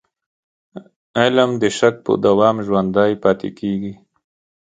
علم د شک په دوام ژوندی پاتې کېږي.